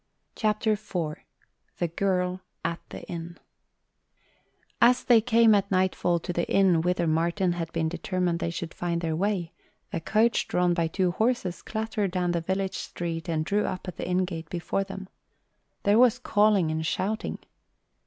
CHAPTER IV THE GIRL AT THE INN As they came at nightfall to the inn whither Martin had been determined they should find their way, a coach drawn by two horses clattered down the village street and drew up at the inn gate before them. There was calling and shouting.